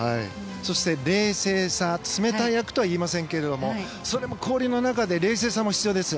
冷静さ冷たい役とは言いませんけどそれも氷の中で冷静さも必要です。